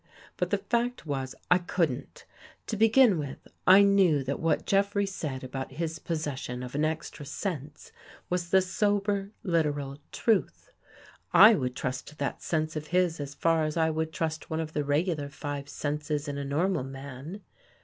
But the fact was I couldn't. To begin with, I knew that what Jeffrey said about his possession of an extra sense was the sober, literal truth. I would trust that sense of his as far as I would trust one of the regular five senses in a normal man.